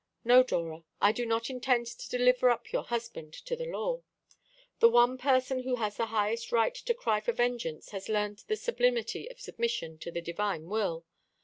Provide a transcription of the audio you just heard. No, Dora, I do not intend to deliver up your husband to the law. The one person who has the highest right to cry for vengeance has learnt the sublimity of submission to the Divine Will.